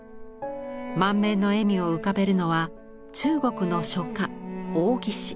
満面の笑みを浮かべるのは中国の書家王羲之。